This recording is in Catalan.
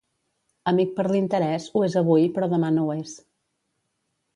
Amic per l'interès, ho és avui, però demà no ho és.